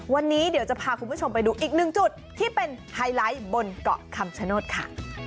วันนี้เดี๋ยวจะพาคุณผู้ชมไปดูอีกหนึ่งจุดที่เป็นไฮไลท์บนเกาะคำชโนธค่ะ